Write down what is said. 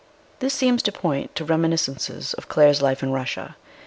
This seems to point to reminiscences of Claire's life in Russia.